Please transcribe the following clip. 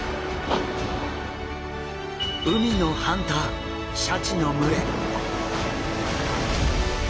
海のハンターシャチの群れ。